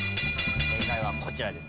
正解はこちらです。